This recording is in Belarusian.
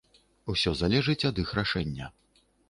Усё залежыць ад іх рашэння.